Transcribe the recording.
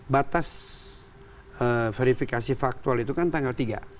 batas verifikasi faktual itu kan tanggal tiga